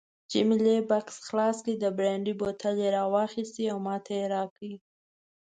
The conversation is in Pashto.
جميله بکس خلاص کړ، د برانډي بوتل یې راوایست او ماته یې راکړ.